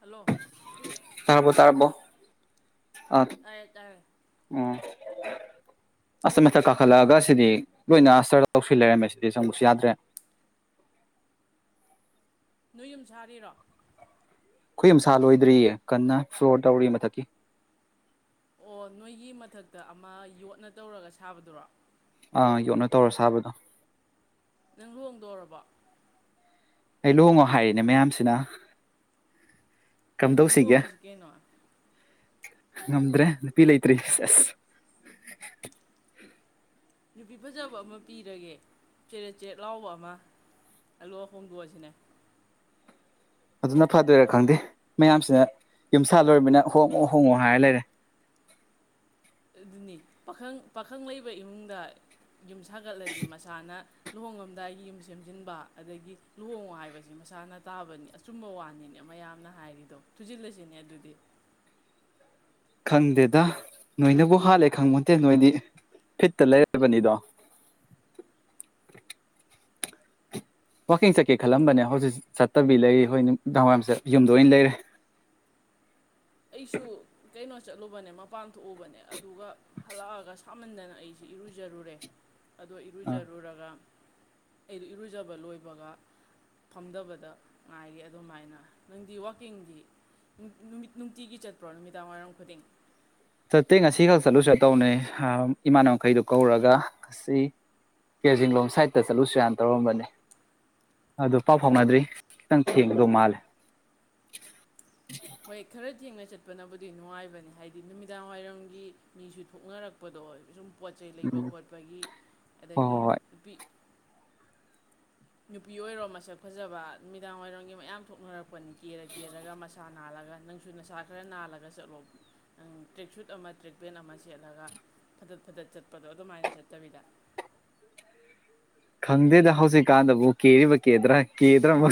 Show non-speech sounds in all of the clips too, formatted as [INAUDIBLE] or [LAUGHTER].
hello ꯇꯥꯔꯕꫭ ꯇꯥꯔꯕꯣ ꯑ ꯇꯥꯔꯦ ꯇꯥꯔꯦ ꯑꯣ ꯑꯁ ꯃꯊꯛ ꯀꯥꯈꯠꯂꯛꯑꯒ ꯁꯤꯗꯤ ꯂꯣꯏꯅ ꯑꯁꯇꯔ ꯇꯧꯁꯤꯜ ꯂꯩꯔꯝꯃꯦ ꯁꯤꯗꯤ ꯆꯪꯕꯁꯨ ꯌꯥꯗ꯭ꯔꯦ ꯅꯣꯏ ꯌꯨꯝ ꯁꯥꯔꯤꯔꯣ ꯑꯈꫭꯏ ꯌꯨꯝ ꯁꯥꯥ ꯂꯣꯏꯗ꯭ꯔꯤꯌꯦ ꯀꯟꯅ ꯐ꯭ꯂꯣꯔ ꯇꯧꯔꯤꯌꯦ ꯃꯊꯛꯀꯤ ꯑꯣ ꯅꯣꯏꯒꯤ ꯃꯊꯛꯇ ꯑꯃ ꯌꯣꯠꯅ ꯇꯧꯔꯒ ꯁꯥꯕꯗꯨꯔꯣ ꯑꯥ ꯌꯣꯠꯅ ꯇꯧꯔ ꯁꯥꯕꯗꯣ ꯅꯪ ꯂꯨꯍꫭꯡꯗꯣꯔꯕꫭ ꯑꯩ ꯂꯨꯍꫭꯡꯉꯣ ꯍꯥꯏꯔꯤꯅꯦ ꯃꯌꯥꯝꯁꯤꯅ ꯑꯗꯨꯗꯤ ꯀꯝꯗꯧꯁꯤꯒꯦ ꯂꯨꯍꫭꯡꯉꯁꯤ ꯀꯩꯅꯣ ꯉꯝꯗ꯭ꯔꯦ ꯅꯨꯄꯤ ꯂꯩꯇ꯭ꯔꯤ ꯁꯦꯁ ꯅꯨꯄꯤ ꯐꯖꯕ ꯑꯃ ꯄꯤꯔꯒꯦ ꯆꯦꯔꯦꯠ ꯆꯦꯔꯦꯠ ꯂꯥꯎꯕ ꯑꯃ ꯑꯗꯨꯒ ꯍꯣꯡꯗꯣꯛꯑꯁꯤꯅꯦ ꯑꯗꯨꯅ ꯐꯗꯣꯏꯔꯥ ꯈꯪꯗꯦ ꯃꯌꯥꯝꯁꯤꯅ ꯌꯨꯝ ꯁꯥ ꯂꫭꯏꯔꯃꯤꯅ ꯍꯣꯡꯉꯣ ꯍꯣꯡꯉꯣ ꯍꯥꯏꯔ ꯂꯩꯔꯦ ꯑꯗꯨꯅꯤ ꯄꯥꯈꯪ ꯄꯥꯈꯪ ꯂꯩꯕ ꯏꯃꯨꯡꯗ ꯌꯨꯝ ꯁꯥꯒꯠꯂꯗꯤ ꯃꯁꯥꯅ ꯂꯨꯍꯣꯡꯉꯝꯗꯥꯏꯒꯤ ꯌꯨꯝ ꯁꯦꯝꯖꯤꯟꯕ ꯑꯗꯒꯤ ꯂꯨꯍꯣꯡꯉꯣ ꯍꯥꯏꯕꯁꯤ ꯃꯁꯥꯅ ꯇꯥꯕꯅꯤ ꯑꯆꯨꯝꯕ ꯋꯥꯅꯤꯅꯦ ꯃꯌꯥꯝꯅ ꯍꯥꯏꯔꯤꯗꯣ ꯊꯨꯖꯤꯜꯂꯁꯤꯅꯦ ꯑꯗꯨꯗꯤ ꯈꯪꯗꯦꯗ ꯅꯣꯏꯅꯕꯨ ꯍꯥꯜꯂꯦ ꯈꯪꯕꯣꯟꯇꯦ ꯅꯣꯏꯗꯤ ꯐꯤꯠꯇ ꯂꯩꯔꯕꯅꯤꯗꯣ ꯋꯥꯀꯤꯡ ꯆꯠꯀꯦ ꯈꯜꯂꯝꯕꯅꯦ ꯍꯧꯖꯤꯛ ꯆꯠ ꯐꯠꯇꯕꯤ ꯂꯩ ꯍꯣꯏ ꯅꯨꯃꯤꯗꯥꯡ ꯋꯥꯏꯔꯝꯁꯦ ꯌꯨꯝꯗ ꯑꯣꯏꯅ ꯂꯩꯔꯦ ꯑꯩꯁꯨ ꯀꯩꯅꯣ ꯆꯠꯂꯨꯕꯅꯦ ꯃꯄꯥꯟ ꯊꯣꯛꯎꯕꯅꯦ ꯑꯗꯨꯒ ꯍꯜꯂꯛꯑꯒ ꯁꯥꯃꯟꯗꯅ ꯑꯩꯁꯤ ꯏꯔꯨꯖꯔꯨꯔꯦ ꯑꯗꯨ ꯑ ꯏꯔꯨꯖꯔꯨꯔꯒ ꯑꯩ ꯏꯔꯨꯖꯕ ꯂꯣꯏꯕꯒ ꯐꯝꯗꯕꯗ ꯉꯥꯏꯔꯤ ꯑꯗꯨꯃꯥꯏꯅ ꯅꯪꯗꯤ ꯋꯥꯛꯀꯤꯡꯗꯤ ꯅꯨꯃꯤꯠ ꯅꯨꯡꯇꯤꯒꯤ ꯆꯠꯄ꯭ꯔꯣ ꯅꯨꯃꯤꯗꯥꯡꯋꯥꯏꯔꯝ ꯈꯨꯗꯤꯡ ꯅꯠꯇꯦ ꯉꯁꯤꯈꯛ ꯆꯠꯂꯨꯁꯤꯔ ꯇꯧꯅꯦ ꯍ ꯏꯃꯥꯟꯅꯕ ꯈꯩꯗꯨ ꯀꯧꯔꯒ ꯉꯁꯤ ꯀꯦꯖꯤꯡ ꯂꯣꯡꯝ ꯁꯥꯏꯠꯇ ꯆꯠꯂꯨꯁꯤꯔꯥꯅ ꯇꯧꯔꯝꯕꯅꯦ ꯑꯗꯨ ꯄꯥꯎ ꯐꯥꯎꯅꯗ꯭ꯔꯤ ꯈꯤꯇꯪ ꯊꯦꯡꯒꯗꯧ ꯃꯥꯜꯂꯦ ꯍꯣꯏ ꯈꯔ ꯊꯦꯡꯅ ꯆꯠꯄꯅꯕꯨꯗꯤ ꯅꯨꯡꯉꯥꯏꯕꯅꯤ ꯍꯥꯏꯗꯤ ꯅꯨꯃꯤꯗꯥꯡ ꯋꯥꯏꯔꯝꯒꯤ ꯃꯤꯁꯨ ꯊꯣꯛꯅꯔꯛꯄꯗꯣ ꯑꯣꯏ ꯁꯨꯝ ꯄꯣꯠ ꯆꯩ ꯂꯩꯕ ꯎꯝ ꯈꯣꯠꯄꯒꯤ ꯍꯣꯏ ꯑꯗꯒꯤ ꯍꯣꯏ ꯍꯣꯏ ꯅꯨꯄꯤ ꯅꯨꯄꯤ ꯑꯣꯏꯔꯣ ꯃꯁꯛ ꯐꯖꯕ ꯅꯨꯃꯤꯗꯥꯡ ꯑꯣꯏꯏꯔꯣꯝꯒꯤ ꯃꯌꯥꯝ ꯊꯣꯛꯅꯔꯛꯄ ꯑꯩꯣꯏꯅꯤ ꯀꯦꯔ ꯀꯦꯔꯒ ꯃꯁꯥꯅ ꯅꯥꯜꯂꯒ ꯅꯪꯁꯨ ꯅꯁꯥ ꯈꯔ ꯅꯥꯜꯂꯒ ꯆꯠꯂꯣ ꯅ ꯇ꯭ꯔꯦꯛ ꯁꯨꯠ ꯑꯃ ꯇ꯭ꯔꯦꯛꯄꯦꯟ ꯑꯃ ꯁꯦꯠꯂꯒ ꯐꯗꯠ ꯐꯗꯠ ꯆꯠꯄꯗꯣ ꯑꯗꯨꯃꯥꯏꯅ ꯆꯠꯇꯕꯤꯗ ꯈꯪꯗꯦꯗ ꯍꯧꯖꯤꯛꯀꯥꯟꯗꯕꯨ ꯀꯦꯔꯤꯕ ꯀꯦꯗ꯭ꯔꯥ ꯀꯦꯗ꯭ꯔꯃ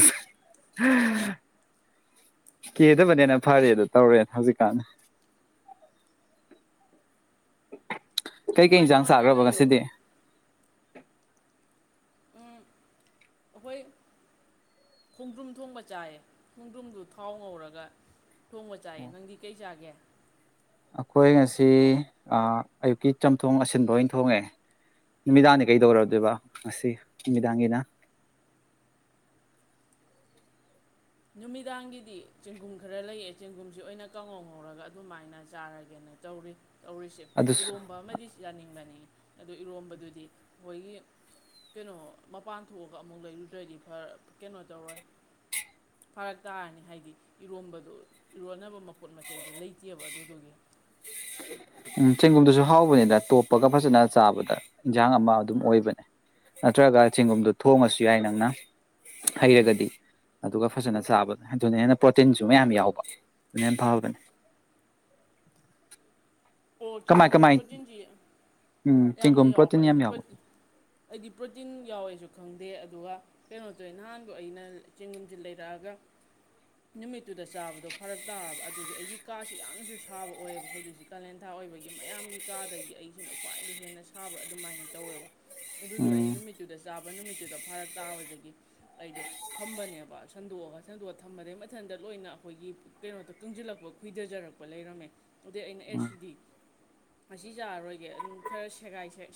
ꯀꯦꯗꯕꯅꯦꯅ ꯐꯔꯦꯗ ꯇꯧꯔꯦꯅ ꯍꯧꯖꯤꯛꯀꯥꯟꯗ ꯎ ꯀꯩꯀꯩ ꯅꯨꯡꯉꯥꯏ ꯏꯟꯁꯥꯡ ꯅꯨꯡꯉꯥꯏꯅ ꯆꯥꯈ꯭ꯔꯕ ꯂꯩꯌꯣ ꯉꯁꯤꯗꯤ [UNINTELLIGIBLE] ꯎ ꯑꯩꯈꯣꯏ ꯈꯣꯡꯗ꯭ꯔꯨꯝ ꯊꯣꯡꯕ ꯆꯥꯏꯌꯦ ꯈꯣꯡꯗ꯭ꯔꯨꯝꯗꯨ ꯊꯥꯎ ꯉꯧꯔꯒ ꯊꯣꯡꯕ ꯆꯥꯏꯌꯦ ꯅꯪꯗꯤ ꯀꯩ ꯆꯥꯒꯦ ꯑꯩꯈꯣꯏ ꯉꯁꯤ ꯑꯌꯨꯛꯀꯤ ꯆꯝꯊꯣꯡ ꯑꯁꯤꯟꯕ ꯑꯣꯏꯅ ꯊꯣꯡꯉꯦ ꯅꯨꯃꯤꯗꯥꯡꯗꯤ ꯀꯩꯗꯧꯗꯣꯏꯕ ꯉꯁꯤ ꯅꯨꯃꯤꯗꯥꯡꯒꯤꯅ ꯅꯨꯃꯤꯗꯥꯡꯒꯤꯗꯤ ꯆꯦꯡꯒꯨꯝ ꯈꯔ ꯂꯩꯑꯦ ꯆꯦꯡꯒꯨꯝꯁꯤ ꯑꯣꯏꯅ ꯀꯥꯡꯍꯧ ꯉꯧꯔꯒ ꯑꯗꯨꯃꯥꯏꯅ ꯆꯥꯔꯒꯦꯅ ꯇꯧꯔꯤ ꯇꯧꯔꯤꯁꯦ ꯑꯗꯨꯁꯨ ꯏꯔꯣꯝꯕ ꯑꯃꯗꯤ ꯆꯥꯅꯤꯡꯕꯅꯤ ꯑꯗꯨ ꯏꯔꯣꯝꯕꯗꯨꯗꯤ ꯑꯩꯈꯣꯏꯒꯤ ꯀꯩꯅꯣ ꯃꯄꯥꯟ ꯊꯣꯛꯑꯒ ꯑꯃꯨꯛ ꯂꯩꯔꯨꯗ꯭ꯔꯗꯤ ꯐꯔ ꯀꯩꯅꯣ ꯇꯧꯔꯣꯏ ꯐꯥꯔꯛ ꯇꯥꯔꯅꯤ ꯍꯥꯏꯗꯤ ꯏꯔꯣꯟꯝꯕꯗꯣ ꯏꯔꯣꯟꯅꯕ ꯄꯣꯠ ꯃꯆꯩꯗꯨꯣ ꯂꯩꯇꯦꯕ ꯑꯗꯨ ꯑꯗꯨꯒꯤ ꯎꯝ ꯆꯦꯡꯒꯨꯝꯗꯨꯁꯨ ꯍꯥꯎꯕꯅꯤꯗ ꯇꯣꯞꯄꯒ ꯐꯖꯅ ꯆꯥꯕꯗ ꯏꯟꯁꯥꯡ ꯑꯃ ꯑꯗꯨꯝ ꯑꯣꯏꯕꯅꯦ ꯅꯠꯇ꯭ꯔꯒ ꯆꯦꯡꯒꯨꯝꯗꯣ ꯊꯣꯡꯉꯁꯨ ꯌꯥꯏ ꯅꯪꯅ ꯍꯩꯔꯒꯗꯤ ꯑꯗꯨꯒ ꯐꯖꯅ ꯆꯥꯕꯗ ꯑꯗꯨꯅ ꯍꯦꯟꯅ ꯄ꯭ꯔꯣꯇꯤꯟꯁꯨ ꯃꯌꯥꯝ ꯌꯥꯎꯕ ꯑꯗꯨꯅ ꯍꯦꯟꯅ ꯐꯕꯅꯦ ꯑꯣ ꯀꯃꯥꯏ ꯆꯦꯡꯒꯨꯝꯁꯤ ꯀꯃꯥꯏ ꯄ꯭ꯔꯣꯇꯤꯟꯁꯤ ꯎꯝ ꯌꯥꯝꯅ ꯆꯦꯡꯒꯨꯝ ꯌꯥꯎꯕ꯭ꯔ ꯄ꯭ꯔꯣꯇꯤꯟ ꯌꯥꯝ ꯑꯩꯗꯤ ꯌꯥꯎꯕ ꯑꯩꯗꯤ ꯄ꯭ꯔꯣꯇꯤꯟ ꯌꯥꯎꯋꯦꯁꯨ ꯈꯪꯗꯦ ꯑꯗꯨꯒ ꯀꯩꯅꯣꯇꯣ ꯅꯍꯥꯟꯕꯨ ꯑꯩꯅ ꯆꯦꯡꯒꯨꯝꯁꯤ ꯂꯩꯔꯛꯑꯒ ꯅꯨꯃꯤꯠꯇꯨꯗ ꯆꯥꯕꯗꯣ ꯐꯔꯛ ꯇꯥꯔꯕ ꯑꯗꯨꯗꯤ ꯑꯩꯒꯤ ꯀꯥꯁꯤ ꯌꯥꯝꯅꯁꯨ ꯁꯥꯕ ꯑꯣꯏꯌꯦꯕ ꯍꯧꯖꯤꯛꯁꯤ ꯀꯥꯂꯦꯟ ꯑꯥ ꯑꯣꯏꯕꯒꯤ ꯃꯌꯥꯝꯒꯤ ꯀꯥꯗꯒꯤ ꯑꯩꯁꯤꯅ ꯈ꯭ꯋꯥꯏꯗꯒꯤ ꯍꯦꯟꯅ ꯁꯥꯕ꯭ꯔꯥ ꯑꯗꯨꯃꯥꯏꯅ ꯇꯧꯋꯦꯕ ꯑꯗꯨ ꯎꯝ ꯅꯨꯃꯤꯇꯨꯗꯥ ꯆꯥꯕ ꯊꯥꯕ ꯅꯨꯃꯤꯠꯇꯨꯗ ꯐꯥꯔꯛ ꯇꯥꯕꯗꯒꯤ ꯑꯩꯗꯣ ꯊꯝꯕꯅꯦꯕ ꯁꯟꯗꯣꯛꯑꯒ ꯁꯟꯗꯣꯛꯑ ꯊꯝꯕꯗꯩ ꯃꯊꯟꯇ ꯂꯣꯏꯅ ꯑꯩꯈꯣꯏꯒꯤ ꯀꯩꯅꯣꯗ ꯀꯪꯁꯤꯜꯂꯛꯄ ꯈꯣꯏꯊꯖꯔꯛꯄ ꯂꯩꯔꯝꯃꯦ ꯑꯗꯩ ꯑꯩꯅ ꯎꯝ ꯑꯦꯁꯤꯗꯤ ꯉꯁꯤ ꯆꯥꯔꯔꯣꯏꯒꯦ ꯑꯗꯨꯝ ꯈꯔ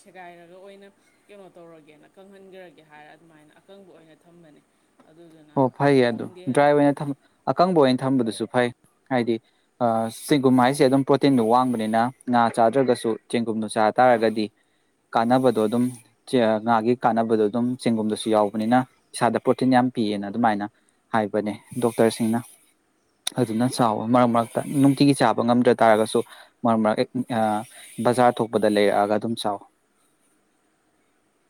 ꯁꯦꯒꯥꯏꯔꯒ ꯑꯣꯏꯅ ꯀꯩꯅꯣ ꯇꯧꯔꯒꯦꯅ ꯀꯪꯍꯟꯈ꯭ꯔꯒꯦ ꯍꯥꯏꯔ ꯑꯗꯨꯃꯥꯏꯅ ꯑꯀꯪꯕ ꯑꯣꯏꯅ ꯊꯝꯕꯅꯦ ꯑꯗꯨꯗꯨꯅ ꯍꯣ ꯐꯩꯌꯦ ꯑꯗꯣ ꯈꯪꯗꯦ ꯗ꯭ꯔꯥꯏ ꯑꯣꯏꯅ ꯑꯗꯨꯃꯥꯏꯅ ꯑꯀꯪꯕ ꯑꯣꯏꯅ ꯊꯝꯕꯗꯨꯁꯨ ꯐꯩ ꯍꯥꯏꯗꯤ ꯆꯦꯡꯒꯨꯝ ꯍꯥꯏꯁꯦ ꯑꯗꯨꯝ ꯄ꯭ꯔꯣꯇꯤꯟꯗꯣ ꯋꯥꯡꯕꯅꯤꯅ ꯉꯥ ꯆꯥꯗ꯭ꯔꯒꯁꯨ ꯆꯦꯡꯒꯨꯝꯗꯣ ꯆꯥ ꯇꯥꯔꯒꯗꯤ ꯀꯥꯟꯅꯕꯗꯣ ꯑꯗꯨꯝ ꯉꯥꯒꯤ ꯀꯥꯟꯅꯕꯗꯣ ꯑꯗꯨꯝ ꯆꯦꯡꯒꯨꯝꯗꯁꯨ ꯌꯥꯎꯕꯅꯤꯅ ꯏꯁꯥꯗ ꯄ꯭ꯔꯣꯇꯤꯟ ꯌꯥꯝ ꯄꯤꯑꯅ ꯑꯗꯨꯃꯥꯏꯅ ꯍꯥꯏꯕꯅꯦ ꯗꯣꯛꯇꯔꯁꯤꯡꯅ ꯑꯗꯨꯅ ꯆꯥꯎꯌꯣ ꯃꯔꯛ ꯃꯔꯛꯇ ꯅꯨꯡꯇꯤꯒꯤ ꯆꯥꯕ ꯉꯝꯗ ꯇꯥꯔꯒꯁꯨ ꯃꯔꯛ ꯃꯔꯛ ꯕꯖꯥꯔ ꯊꯣꯛꯄꯗ ꯂꯩꯔꯛꯑꯒ ꯑꯗꯨꯝ ꯆꯥꯎꯌꯣ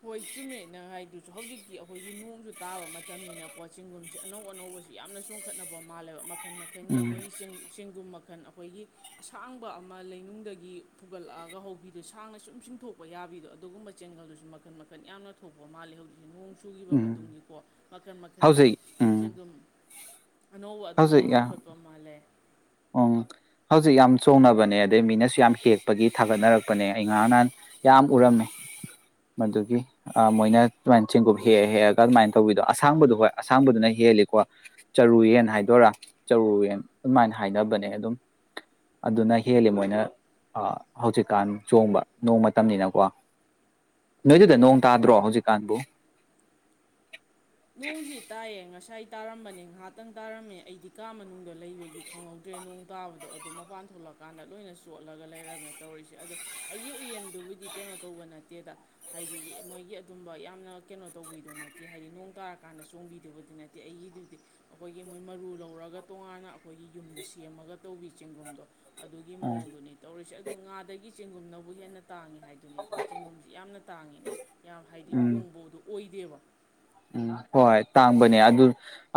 ꯍꯣꯏ ꯆꯨꯝꯃꯦ ꯅꯥꯪꯅ ꯍꯥꯏꯗꯨꯁꯨ ꯍꯧꯖꯤꯛ ꯑꯩꯈꯣꯏꯒꯤ ꯅꯣꯡꯁꯨ ꯇꯥꯕ ꯃꯇꯝꯅꯤꯅꯀꯣ ꯆꯤꯡꯒꯨꯝꯁ ꯑꯅꯧ ꯑꯅꯧꯕꯁꯤ ꯌꯥꯝꯅ ꯆꯣꯡꯈꯠꯅꯕ ꯃꯥꯜꯂꯦꯕ ꯃꯈꯜ ꯃꯈꯜꯒꯤ ꯎꯝ ꯑꯩꯈꯣꯏꯒꯤ ꯆꯦꯡ ꯆꯦꯡꯒꯨꯝꯕ ꯃꯈꯟ ꯑꯩꯈꯣꯏꯒꯤ ꯑꯁꯥꯡꯕ ꯑꯃ ꯂꯩꯅꯨꯡꯗꯒꯤ ꯐꯨꯒꯠꯂꯛꯑꯒ ꯍꯧꯕꯤꯗꯣ ꯁꯥꯡꯅ ꯁꯨꯝ ꯆꯤꯡꯊꯣꯛꯄ ꯌꯥꯕꯤꯗꯣ ꯑꯗꯨꯒꯨꯝꯕ ꯆꯦꯡꯒꯜꯗꯨꯁꯨ ꯃꯈꯟ ꯃꯈꯟ ꯌꯥꯝꯅ ꯊꯣꯛꯄꯥ ꯃꯥꯜꯂꯤ ꯍꯧꯖꯤꯛ ꯅꯣꯡꯁꯨ ꯁꯨꯈꯤꯕ ꯎꯝ ꯃꯇꯨꯡꯒꯤꯀꯣ ꯃꯈꯟ ꯃꯈꯜꯒꯤ ꯍꯧꯖꯤꯛ ꯎꯝ ꯆꯦꯡꯒꯨꯝ ꯑꯅꯧꯕ ꯍꯧꯖꯤꯛ ꯑꯗꯨꯃꯥꯏꯅ ꯆꯣꯡꯈꯠꯄ ꯃꯥꯜꯂꯦ ꯎꯝ ꯍꯧꯖꯤꯛ ꯌꯥꯝ ꯆꯣꯡꯅꯕꯅꯦ ꯑꯗꯩ ꯃꯤꯅꯁꯨ ꯌꯥꯝ ꯍꯦꯛꯄꯒꯤ ꯊꯥꯒꯠꯅꯔꯛꯄꯅꯦ ꯑꯩ ꯉꯔꯥꯡ ꯅꯍꯥꯟ ꯌꯥꯝ ꯎꯔꯝꯃꯦ ꯃꯗꯨꯒꯤ ꯃꯣꯏꯅ ꯁꯨꯃꯥꯏꯅ ꯆꯦꯡꯀꯨꯞ ꯍꯦꯛꯑ ꯍꯦꯛꯑꯒ ꯑꯗꯨꯃꯥꯏꯅ ꯇꯧꯕꯤꯗꯣ ꯑꯁꯥꯡꯕꯗꯣ ꯍꯣꯏ ꯑꯁꯥꯡꯕꯗꯨꯅ ꯍꯦꯜꯂꯤꯀꯣ ꯆꯔꯨ ꯌꯦꯟ ꯍꯥꯏ ꯗꯣꯏꯔꯥ ꯆꯔꯨꯌꯦꯟ ꯑꯗꯨꯃꯥꯏꯅ ꯍꯥꯏꯅꯕꯅꯦ ꯑꯗꯨꯝ ꯑꯗꯨꯅ ꯍꯦꯜꯂꯤ ꯃꯣꯏꯅ ꯍꯧꯖꯤꯛꯀꯥꯟ ꯆꯣꯡꯕ ꯅꯣꯡ ꯃꯇꯝꯅꯤꯅꯀꯣ ꯅꯣꯏꯗꯨꯗ ꯅꯣꯡ ꯇꯥꯗ꯭ꯔꯣ ꯍꯧꯖꯤꯛꯀꯥꯟꯕꯨ ꯅꯣꯡꯁꯤ ꯇꯥꯏꯌꯦ ꯉꯁꯥꯏ ꯇꯥꯔꯝꯕꯅꯦ ꯉꯥꯏꯍꯥꯛꯇꯪ ꯇꯥꯔꯝꯃꯦ ꯑꯩꯗꯤ ꯀꯥ ꯃꯅꯨꯡꯗ ꯂꯩꯕꯒꯤ ꯈꯪꯍꯧꯗ꯭ꯔꯦ ꯅꯣꯡ ꯇꯥꯕꯗꯣ ꯑꯗꯨꯗꯣ ꯃꯄꯥꯟ ꯊꯣꯛꯂꯛꯀꯥꯟꯗ ꯂꯣꯏꯅ ꯆꯣꯠꯂꯒ ꯂꯩꯔꯝꯃꯦ ꯇꯧꯔꯤꯁꯦ ꯑꯗꯣ ꯑꯩꯒꯤ ꯎꯌꯦꯟꯗꯨꯕꯨꯗꯤ ꯀꯩꯅꯣ ꯇꯧꯕ ꯅꯠꯇꯦꯗ ꯍꯥꯏꯗꯤ ꯃꯣꯏꯒꯤ ꯑꯗꯨꯝꯕ ꯌꯥꯝꯅ ꯀꯩꯅꯣ ꯇꯧꯕꯤꯗꯣ ꯅꯠꯇꯦ ꯍꯥꯏꯗꯤ ꯅꯣꯡ ꯇꯥꯔꯀꯥꯟꯗ ꯆꯣꯡꯕꯤꯗꯨꯕꯗꯤ ꯅꯠꯇꯦ ꯑꯩꯒꯤꯗꯨꯗꯤ ꯑꯩꯈꯣꯏꯒꯤ ꯃꯣꯏ ꯃꯔꯨ ꯂꯧꯔꯒ ꯇꯣꯉꯥꯟꯅ ꯑꯩꯈꯣꯏꯒꯤ ꯌꯨꯝꯗ ꯁꯦꯝꯃꯒ ꯇꯧꯕꯤ ꯆꯦꯡꯒꯨꯝꯗꯣ ꯑꯗꯨꯒꯤ ꯎꯝ ꯃꯑꯣꯡꯗꯨꯅꯤ ꯇꯧꯔꯤꯁꯦ ꯑꯗꯣ ꯉꯥꯗꯒꯤ ꯆꯦꯡꯒꯨꯝꯅꯕꯨꯒꯤ ꯍꯦꯟꯅ ꯇꯥꯡꯉꯤ ꯍꯥꯏꯗꯨꯅꯤꯗ ꯆꯦꯡꯒꯨꯝꯁꯤ ꯌꯥꯝꯅ ꯇꯥꯡꯉꯤꯅꯦ ꯌꯥꯝ ꯍꯥꯏꯗꯤ ꯎꯝ ꯍꯣꯡꯕꯗꯣ ꯑꯣꯏꯗꯦꯕ ꯎꯝ ꯍꯣꯏ ꯇꯥꯡꯕꯅꯦ ꯑꯗꯨ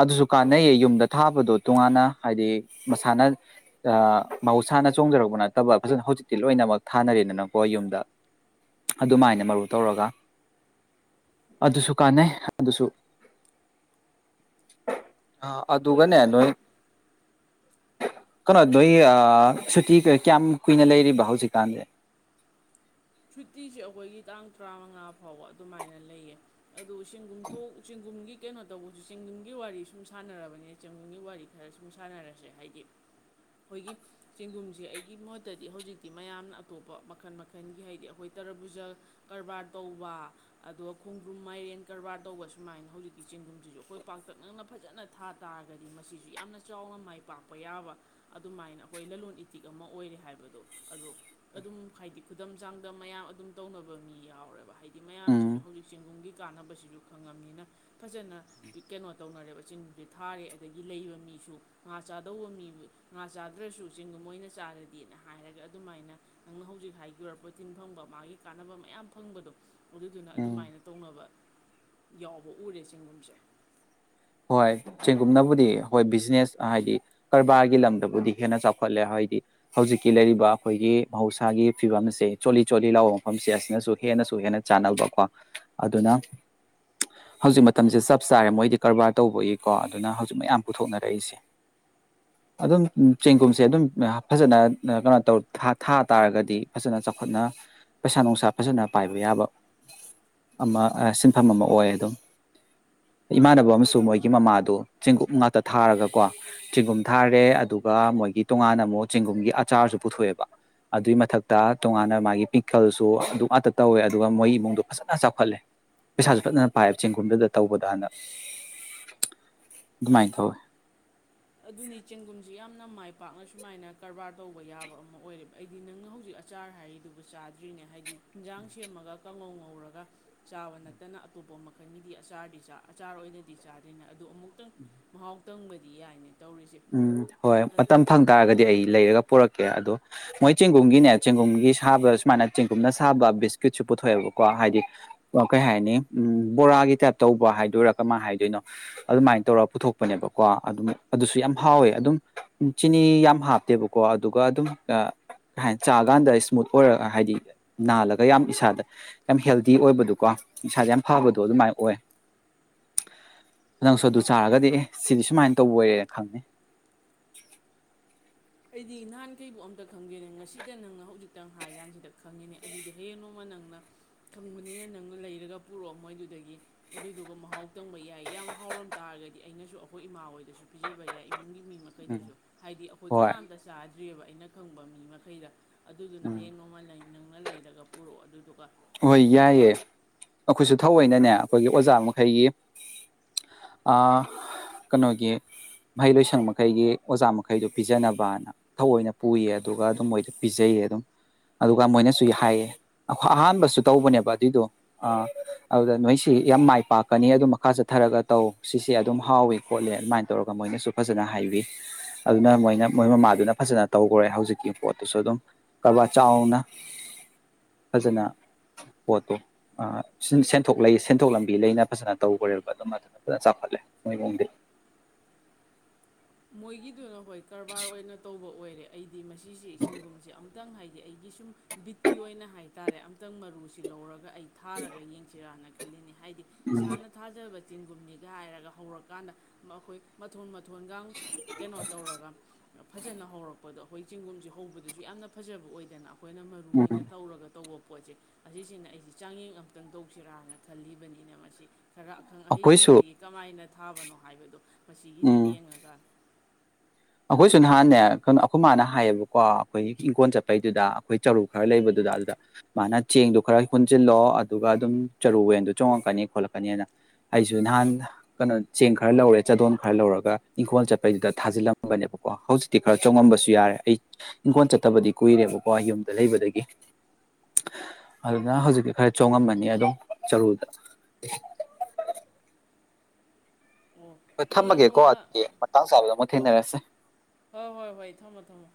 ꯑꯗꯨꯁꯨ ꯀꯥꯟꯅꯩꯌꯦ ꯌꯨꯝꯗ ꯊꯥꯕꯗꯣ ꯇꯣꯉꯥꯟꯅ ꯍꯥꯏꯗꯤ ꯃꯁꯥꯅ ꯃꯍꯧꯁꯥꯅ ꯆꯣꯡꯖꯔꯛꯄ ꯅꯠꯇꯕ ꯐꯖꯅ ꯍꯧꯖꯤꯛꯇꯤ ꯂꯣꯏꯅꯃꯛ ꯊꯥꯅꯔꯦꯗꯅꯀꯣ ꯌꯨꯝꯗ ꯑꯗꯨꯃꯥꯏꯅ ꯃꯔꯨ ꯇꯧꯔꯒ ꯑꯗꯨꯁꯨ ꯀꯥꯟꯅꯩ ꯑꯗꯨꯁꯨ ꯑ ꯍꯣꯏ ꯑꯗꯨꯒꯅꯦ ꯍꯧꯖꯤꯛ ꯅꯣꯏ ꯀꯩꯅꯣ ꯅ ꯑꯩ ꯁꯨꯇꯤ ꯀꯌꯥꯝ ꯀꯨꯏꯅ ꯂꯩꯔꯤꯕ ꯍꯧꯖꯤꯛꯀꯥꯟꯁꯦ ꯁꯨꯇꯤꯁꯦ ꯑꯩꯈꯣꯏꯒꯤ ꯇꯥꯡ ꯇꯔꯥꯃꯉꯥ ꯐꯥꯎꯕ ꯑꯗꯨꯃꯥꯏꯅ ꯂꯩꯌꯦ ꯑꯗꯨꯗ ꯆꯦꯡꯒꯨꯝ ꯊꯣꯛ ꯆꯦꯡꯒꯨꯝꯒꯤ ꯀꯩꯅꯣ ꯇꯧꯕꯁꯨ ꯆꯦꯡꯗꯨꯨꯝꯒꯤ ꯋꯥꯔꯤ ꯁꯨꯝ ꯁꯥꯟꯅꯔꯕꯅꯤ ꯆꯦꯡꯒꯨꯝꯒꯤ ꯋꯥꯔꯤ ꯈꯔ ꯁꯨꯝ ꯁꯥꯟꯅꯔꯁꯦ ꯍꯥꯏꯗꯤ ꯑꯩꯈꯣꯏꯒꯤ ꯆꯦꯡꯗꯨꯨꯝꯁꯦ ꯑꯩꯒꯤ ꯃꯣꯠꯇꯗꯤ ꯍꯧꯖꯤꯛꯇꯤ ꯃꯌꯥꯝꯅ ꯑꯇꯣꯞꯄ ꯃꯈꯜ ꯃꯈꯜꯒꯤ ꯍꯥꯏꯗꯤ ꯍꯥꯏꯗꯤ ꯑꯩꯈꯣꯏ ꯇꯔꯕꯨꯖꯜ ꯀꯔꯕꯥꯔ ꯇꯧꯕ ꯑꯗꯨꯒ ꯈꯣꯡꯗ꯭ꯔꯨꯝ ꯃꯥꯏꯔꯦꯟ ꯀꯔꯕꯥꯔ ꯇꯧꯕ ꯁꯨꯃꯥꯏꯅ ꯍꯧꯖꯤꯛꯤ ꯆꯦꯡꯒꯨꯝꯁꯤꯁꯨ ꯑꯩꯈꯣꯏ ꯄꯥꯛꯇꯛꯅꯛꯅ ꯐꯖꯅ ꯊꯥ ꯇꯥꯔꯒꯗꯤ ꯃꯁꯤꯁꯨ ꯌꯥꯝꯅ ꯆꯥꯎꯅ ꯃꯥꯏ ꯄꯥꯛꯄ ꯌꯥꯕ ꯑꯗꯨꯃꯥꯏꯅ ꯑꯩꯈꯣꯏ ꯂꯂꯣꯟ ꯏꯇꯤꯛ ꯑꯃ ꯑꯣꯏꯔꯦ ꯍꯥꯏꯕꯗꯣ ꯑꯗꯣ ꯑꯗꯨꯝ ꯍꯥꯏꯗꯤ ꯈꯨꯗꯝ ꯍꯛꯆꯥꯡꯗ ꯃꯌꯥꯝ ꯑꯗꯨꯝ ꯇꯧꯅꯕ ꯃꯤ ꯌꯥꯎꯔꯦꯕ ꯍꯥꯏꯗꯤ ꯎꯝ ꯃꯌꯥꯝꯁꯤꯁꯨ ꯍꯧꯖꯤꯛ ꯆꯦꯡꯒꯨꯝꯒꯤ ꯀꯥꯟꯅꯕꯁꯤꯁꯨ ꯈꯪꯉꯕꯅꯤꯅ ꯐꯖꯅ ꯀꯩꯅꯣ ꯇꯧꯅꯔꯦꯕ ꯆꯤꯡꯗꯨꯗꯤ ꯊꯥꯔꯦ ꯑꯗꯒꯤ ꯂꯩꯕ ꯃꯤꯁꯨ ꯉꯥ ꯆꯥꯗꯧꯕ ꯃꯤꯕꯨ ꯉꯥ ꯆꯥꯗ꯭ꯔꯁꯨ ꯆꯤꯡꯗꯨꯣ ꯃꯣꯏꯅ ꯆꯥꯔꯗꯤꯅ ꯍꯥꯏꯔꯒ ꯑꯗꯨꯃꯥꯏꯅ ꯅꯪꯅ ꯍꯧꯖꯤꯛ ꯍꯥꯏꯣꯔꯛꯄ ꯇꯤꯟ ꯐꯪꯕ ꯃꯥꯒꯤ ꯀꯥꯟꯅꯕ ꯃꯌꯥꯝ ꯐꯪꯕꯗꯣ ꯑꯗꯨꯗꯨꯅ ꯎꯝ ꯑꯗꯨꯃꯥꯏꯅ ꯇꯧꯅꯕ ꯌꯥꯎ ꯍꯧꯛ ꯎꯔꯦ ꯆꯤꯡꯒꯨꯝꯁꯦ ꯍꯣꯏ ꯆꯦꯡꯒꯨꯝꯅꯕꯨꯗꯤ ꯍꯣꯏ ꯕꯤꯖꯤꯅꯦꯁ ꯍꯥꯏꯗꯤ ꯀꯔꯕꯥꯔꯒꯤ ꯂꯝꯗꯕꯨꯗꯤ ꯍꯦꯟꯅ ꯆꯥꯎꯈꯠꯂꯦ ꯍꯥꯏꯗꯤ ꯍꯧꯖꯤꯛꯀꯤ ꯂꯩꯔꯤꯕ ꯑꯩꯈꯣꯏꯒꯤ ꯃꯍꯧꯁꯥꯒꯤ ꯐꯤꯕꯝꯁꯦ ꯆꯣꯜꯂꯤ ꯆꯣꯜꯂꯤ ꯂꯥꯎꯕ ꯃꯐꯝꯁꯦ ꯑꯁꯤꯅꯁꯨ ꯍꯦꯟꯅꯁꯨ ꯍꯦꯟꯅ ꯆꯥꯟꯅꯕꯀꯣ ꯑꯗꯨꯅ ꯍꯧꯖꯤꯛ ꯃꯇꯝꯁꯦ ꯆꯞ ꯆꯥꯔꯦ ꯃꯣꯏꯗꯤ ꯀꯔꯕꯥꯔ ꯇꯧꯕꯒꯤꯀꯣ ꯑꯗꯨꯅ ꯍꯧꯖꯤꯛ ꯃꯌꯥꯝ ꯄꯨꯊꯣꯛꯅꯔꯛꯏꯁꯦ ꯑꯗꯨꯝ ꯆꯦꯡꯒꯨꯝꯁꯦ ꯑꯗꯨꯝ ꯐꯖꯅ ꯀꯩꯅꯣ ꯇꯧ ꯊꯥ ꯇꯥꯔꯒꯗꯤ ꯐꯖꯅ ꯆꯥꯎꯈꯠꯅ ꯄꯩꯁꯥ ꯅꯨꯡꯁꯥ ꯐꯖꯅ ꯄꯥꯏꯕ ꯌꯥꯕ ꯑꯃ ꯁꯤꯟꯐꯝ ꯑꯃ ꯑꯣꯏ ꯑꯗꯨꯝ ꯏꯃꯥꯟꯅꯕ ꯑꯩ ꯑꯃꯁꯨ ꯃꯣꯏꯒꯤ ꯃꯃꯥꯗꯨ ꯆꯦꯡꯒꯨꯝ ꯉꯥꯛꯇ ꯊꯥꯔꯒꯀꯣ ꯆꯦꯡꯒꯨꯝ ꯊꯥꯔꯦ ꯑꯗꯨꯒ ꯃꯣꯏꯒꯤ ꯇꯣꯉꯥꯟꯅ ꯑꯃꯨꯛ ꯆꯦꯡꯒꯨꯝꯒꯤ ꯑꯆꯥꯔꯁꯨ ꯄꯨꯊꯣꯛꯑꯦꯕ ꯑꯗꯨꯏ ꯃꯊꯛꯇ ꯇꯣꯉꯥꯟꯅ ꯃꯥꯒꯤ ꯄꯤꯈꯜꯁꯨ ꯑꯗꯨ ꯉꯥꯛꯇ ꯇꯧꯋꯦ ꯑꯗꯨꯒ ꯃꯣꯏ ꯏꯃꯨꯡꯗꯣ ꯐꯖꯅ ꯆꯥꯎꯈꯠꯂꯦ ꯄꯩꯁꯥꯁꯨ ꯐꯖꯅ ꯄꯥꯏꯌꯦꯕ ꯆꯦꯡꯒꯨꯝꯗꯨꯗ ꯇꯧꯕꯗ ꯍꯥꯟꯅ ꯑꯗꯨꯃꯥꯏꯅ ꯇꯧꯋꯤ ꯑꯗꯨꯅꯤ ꯆꯦꯡꯒꯨꯝꯁꯤ ꯌꯥꯝꯅ ꯃꯥꯏꯕ ꯄꯥꯛꯅ ꯁꯨꯃꯥꯏꯅ ꯀꯔꯕꯥꯔ ꯇꯧꯕ ꯌꯥꯕ ꯑꯃ ꯑꯣꯏꯔꯦꯕ ꯑꯩꯗꯤ ꯅꯪꯅ ꯍꯧꯖꯤꯛ ꯑꯆꯥꯔ ꯍꯥꯏꯔꯤꯗꯨꯕꯨ ꯆꯥꯗ꯭ꯔꯤꯅꯦ ꯍꯥꯏꯗꯤ ꯌꯦꯟꯖꯥꯡ ꯁꯦꯝꯃꯒ ꯀꯥꯡꯉꯧꯉ ꯍꯧꯔꯒ ꯆꯥꯕ ꯅꯠꯇꯅ ꯑꯇꯣꯞꯄ ꯃꯈꯜꯒꯤꯗꯤ ꯑꯆꯥꯔꯗꯤ ꯑꯆꯥꯔ ꯑꯣꯏꯅꯗꯤ ꯆꯥꯗꯣꯏꯅꯦ ꯑꯗꯨ ꯑꯃꯨꯛꯇꯪ ꯃꯍꯥꯎ ꯇꯪꯕꯗꯤ ꯌꯥꯏꯅꯤ ꯎꯝ ꯍꯣꯏ ꯃꯇꯝ ꯐꯪ ꯇꯥꯔꯒꯗꯤ ꯑꯩ ꯂꯩꯔꯒ ꯄꯨꯔꯛꯀꯦ ꯑꯗꯣ ꯃꯣꯏ ꯆꯦꯡꯒꯨꯝꯒꯤꯅꯦ ꯆꯦꯡꯒꯨꯝꯒꯤ ꯁꯥꯕꯗ ꯁꯨꯃꯥꯏꯅ ꯆꯦꯡꯒꯨꯝꯅ ꯁꯥꯕ ꯕꯤꯁꯀꯤꯠꯁꯨ ꯄꯨꯊꯣꯛꯑꯦꯕꯀꯣ ꯍꯥꯏꯗꯤ ꯀꯩ ꯍꯥꯏꯅꯤ ꯎ ꯕꯣꯔꯥꯒꯤ ꯇꯥꯏꯞ ꯇꯧꯕ ꯍꯥꯏꯗꯣꯏꯔꯥ ꯀꯃꯥꯏꯅ ꯍꯥꯏꯗꯣꯏꯅꯣ ꯑꯗꯨꯃꯥꯏꯅ ꯇꯧꯔ ꯄꯨꯊꯣꯛꯄꯅꯦꯕꯀꯣ ꯑꯗꯨꯝ ꯑꯗꯨꯁꯨ ꯌꯥꯝ ꯍꯥꯎꯋꯦ ꯑꯗꯨꯝ ꯆꯤꯅꯤ ꯌꯥꯝ ꯍꯥꯞꯇꯦꯕꯀꯣ ꯑꯗꯨꯒ ꯑꯗꯨꯝ ꯀꯩ ꯍꯥꯏꯅ ꯆꯥꯀꯥꯟꯗ ꯏꯁꯃꯨꯠ ꯑꯣꯏꯔꯒ ꯍꯥꯏꯗꯤ ꯅꯥꯜꯂꯒ ꯌꯥꯝ ꯏꯁꯥꯗ ꯌꯥꯝ ꯍꯦꯜꯗꯤ ꯑꯣꯏꯕꯗꯣꯀꯣ ꯏꯁꯥꯗ ꯌꯥꯝ ꯐꯕꯗꯣ ꯑꯗꯨꯃꯥꯏꯅ ꯑꯣꯏ ꯅ ꯅꯪꯁꯨ ꯑꯗꯨ ꯆꯥꯔꯒꯗꯤ ꯑꯦ ꯁꯤꯗꯤ ꯁꯨꯃꯥꯏꯅ ꯇꯧꯕ ꯑꯣꯏꯔꯦꯅ ꯈꯪꯅꯤꯦ [UNINTELLIGIBLE] ꯑꯩꯗꯤ ꯅꯍꯥꯟꯈꯩꯕꯨ ꯑꯝꯇ ꯈꯪꯒꯦꯅꯦ ꯉꯁꯤꯗ ꯅꯪꯅ ꯍꯧꯖꯤꯛꯇꯪ ꯍꯥꯏ ꯀꯥꯟꯁꯤꯗ ꯈꯪꯉꯤꯅꯦ ꯑꯗꯨꯗꯤ ꯍꯌꯦꯡ ꯅꯣꯡꯃ ꯅꯪꯅ ꯈꯪꯕꯅꯤꯅ ꯅꯪꯅ ꯂꯩꯔꯒ ꯄꯨꯔꯛꯑꯣ ꯃꯣꯏꯗꯨꯗꯒꯤ ꯑꯗꯨꯗꯨꯒ ꯃꯍꯥꯎ ꯇꯪꯕ ꯌꯥꯏ ꯌꯥꯝ ꯍꯥꯎꯔꯝ ꯇꯥꯔꯒꯗꯤ ꯑꯩꯅꯁꯨ ꯑꯩꯈꯣꯏ ꯏꯃꯥ ꯍꯣꯏꯗꯁꯨ ꯄꯤꯖꯕ ꯌꯥꯏ ꯏꯃꯨꯡꯒꯤ ꯃꯤ ꯎꯝ ꯃꯈꯩꯗꯁꯨ ꯍꯥꯏꯗꯤ ꯍꯣꯏ ꯀꯅꯥꯝꯇ ꯆꯥꯗꯦ ꯑꯕ ꯑꯩꯅ ꯈꯪꯕ ꯃꯤ ꯃꯈꯩꯗ ꯑꯗꯨꯗꯨꯅ ꯎꯝ ꯍꯌꯦꯡ ꯅꯣꯡꯃꯥꯏ ꯂꯩ ꯅꯪꯅ ꯂꯩꯔꯒ ꯄꯨꯔꯛꯑꯣ ꯑꯗꯨꯗꯨꯒ ꯍꯣꯏ ꯌꯥꯏꯌꯦꯦ ꯑꯩꯈꯣꯏꯁꯨ ꯊꯧꯑꯣꯏꯅꯅꯦ ꯑꯩꯈꯣꯏꯒꯤ ꯑꯣꯖꯥ ꯃꯈꯩꯒꯤ ꯀꯩꯅꯣꯒꯤ ꯃꯍꯩ ꯂꯣꯏꯁꯪ ꯃꯈꯩꯒꯤ ꯑꯣꯖꯥ ꯃꯈꯩꯗꯣ ꯄꯤꯖꯅꯕꯅ ꯊꯑꯣꯏꯅ ꯄꯨꯌꯦ ꯑꯗꯨꯒ ꯑꯗꯨꯝ ꯃꯣꯏꯗ ꯄꯤꯖꯩꯌꯦ ꯑꯗꯨꯝ ꯑꯗꯨꯒ ꯃꯣꯏꯅꯁꯨ ꯍꯥꯏꯌꯦ ꯑꯩꯈꯣꯏ ꯑꯍꯥꯟꯕꯁꯨ ꯁꯨ ꯇꯧꯕꯅꯦꯕ ꯑꯗꯨꯏꯗꯣ ꯑꯗꯨꯗ ꯅꯣꯏꯁꯤ ꯌꯥꯝ ꯃꯥꯏ ꯄꯥꯛꯀꯅꯤ ꯑꯗꯨ ꯃꯈꯥ ꯆꯠꯊꯔꯒ ꯇꯧ ꯁꯤꯁꯦ ꯑꯗꯨꯝ ꯍꯥꯎꯋ ꯈꯣꯠꯂꯤ ꯑꯗꯨꯃꯥꯏꯅ ꯇꯧꯔꯒ ꯃꯣꯏꯅꯁꯨ ꯐꯖꯅ ꯍꯥꯏꯕꯤ ꯑꯗꯨꯅ ꯃꯣꯏꯅ ꯃꯣꯏ ꯃꯃꯥꯗꯨꯅ ꯐꯖꯅ ꯇꯧꯈꯔꯦ ꯍꯧꯖꯤꯛꯀꯤ ꯄꯣꯠꯇꯨꯁꯨ ꯑꯗꯨꯝ ꯀꯕꯥ ꯆꯥꯎꯅ ꯐꯖꯅ ꯄꯣꯠꯇꯣ ꯁꯦꯟꯊꯣꯛ ꯂꯩ ꯁꯦꯟꯊꯣꯛ ꯂꯝꯕꯤ ꯂꯩꯅ ꯐꯖꯅ ꯇꯧꯈ꯭ꯔꯦꯕ ꯑꯗꯨꯝ ꯑꯗꯨꯅ ꯐꯖꯅ ꯆꯥꯎꯈꯠꯂꯦ ꯃꯣꯏ ꯃꯨꯡꯗꯤ ꯃꯣꯏꯒꯤꯗꯨꯅ ꯍꯣꯏ ꯀꯔꯕꯥꯔ ꯑꯣꯏꯅ ꯇꯧꯕ ꯑꯣꯏꯔꯦ ꯑꯩ ꯍꯥꯏꯗꯤ ꯃꯁꯤꯁꯦ ꯆꯦꯡꯒꯨꯝꯁꯦ ꯑꯃꯝ ꯈꯤꯇꯪ ꯍꯥꯏꯗꯤ ꯑꯩꯒꯤ ꯁꯨꯝ ꯕꯤꯠꯀꯤ ꯑꯣꯏꯅ ꯍꯥꯏꯇꯥꯔꯦ ꯈꯤꯇꯪ ꯃꯔꯨꯁꯤ ꯂꯧꯔꯒ ꯑꯩ ꯊꯥꯔꯒ ꯌꯦꯡꯁꯤꯔꯅ ꯍꯥꯏꯗꯤ ꯏꯁꯥꯅ ꯊꯥꯖꯕ ꯆꯤꯟꯒꯨꯝꯅꯤꯒ ꯍꯥꯏꯔꯒ ꯍꯧꯔꯀꯥꯟꯗ ꯃꯈꯣꯏ ꯃꯊꯣꯟ ꯃꯊꯣꯟꯒꯥꯡ ꯐꯖꯅ ꯍꯧꯔꯛꯄꯗꯣ ꯑꯩꯈꯣꯏ ꯆꯦꯡꯒꯨꯝꯁꯦ ꯍꯧꯕꯗꯁꯨ ꯌꯥꯝꯅ ꯐꯖꯕ ꯑꯣꯏꯗꯅ ꯑꯩꯈꯣꯏꯅ ꯃꯔꯨ ꯎꯝ ꯑꯣꯏꯅ ꯇꯧꯔꯒ ꯇꯧꯕ ꯄꯣꯠꯁꯦ ꯑꯁꯤꯁꯤꯅ ꯑꯩꯁꯤ ꯆꯥꯡꯌꯦꯡ ꯑꯝꯇꯪ ꯇꯧꯁꯤꯔꯥꯅ ꯈꯜꯂꯤꯕꯅꯤꯅ ꯃꯁꯤ ꯈꯔ ꯑꯈꯪ ꯑꯩꯈꯣꯏꯁꯨ ꯑꯍꯩꯁꯤꯡꯗꯒꯤ ꯀꯃꯥꯏꯅ ꯊꯥꯕꯅꯣ ꯍꯥꯏꯕꯗꯣ ꯃꯁꯤꯒꯤꯁꯤ ꯎꯝ ꯌꯦꯡꯉꯒ ꯑꯩꯈꯣꯏꯁꯨ ꯅꯍꯥꯟꯅꯦ ꯀꯩꯅꯣ ꯑꯩꯈꯣꯏ ꯃꯥꯅ ꯍꯥꯏꯌꯦꯕꯀꯣ ꯑꯩꯈꯣꯏꯒꯤ ꯏꯪꯈꯣꯜ ꯆꯠꯄꯩꯗꯨꯗ ꯑꯩꯈꯣꯏ ꯆꯔꯨ ꯈꯔ ꯂꯩꯕꯗꯨꯗ ꯑꯗꯨꯗ ꯃꯥꯅ ꯆꯦꯡꯗꯣ ꯈꯔ ꯍꯨꯟꯁꯤꯜꯂꯣ ꯑꯗꯨꯒ ꯑꯗꯨꯝ ꯆꯔꯨꯋꯦꯟꯗꯣ ꯆꯣꯡꯉꯛꯀꯅꯤ ꯈꯣꯠꯂꯛꯀꯅꯤꯅ ꯑꯩꯁꯨ ꯅꯍꯥꯟ ꯀꯩꯅꯣ ꯆꯦꯡ ꯈꯔ ꯂꯧꯔꯦ ꯆꯥꯗꯣꯟ ꯈꯔ ꯂꯧꯔꯒ ꯏꯪꯈꯣꯜ ꯆꯠꯄꯩꯗꯨꯗ ꯊꯥꯖꯤꯜꯂꯝ ꯅꯦꯕꯀꯣ ꯍꯧꯖꯤꯛꯇꯤ ꯈꯔ ꯆꯣꯡꯉꯝꯕꯁꯨ ꯌꯥꯔꯦ ꯑꯩ ꯏꯪꯈꯣꯜ ꯆꯠꯇꯕꯗꯤ ꯀꯨꯏꯔꯦꯕꯀꯣ ꯌꯨꯝꯗ ꯂꯩꯕꯗꯒꯤ ꯑꯗꯨꯅ ꯍꯧꯖꯤꯛꯇꯤ ꯈꯔ ꯆꯣꯡꯉꯝꯃꯅꯤ ꯑꯗꯨꯝ ꯆꯔꯨꯗ ꯑꯣ ꯍꯣꯏ ꯍꯌꯦꯡ ꯊꯝꯃꯒꯦꯀꯣ ꯅꯣꯡꯃ ꯑꯗꯨꯒꯤ ꯃꯇꯥꯡ ꯆꯥꯕꯗ ꯑꯃꯛ ꯊꯦꯡꯅꯔꯁꯦ ꯍꯣꯏ ꯍꯣꯏ ꯍꯣꯏ ꯊꯝꯃꯣ ꯊꯝꯃꯣ